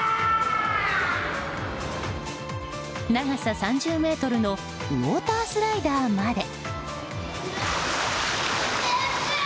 長さ３０ｍのウォータースライダーまで。